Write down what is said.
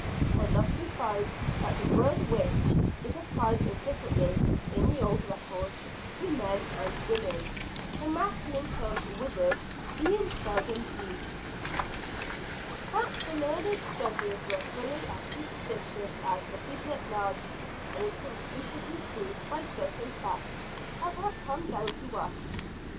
And thus we find that the word witch is applied indifferently in the old records, to men and women; the masculine term wizard being seldom used. That the learned Judges were fully as superstitious as the people at large, is conclusively proved by certain facts that have come down to us.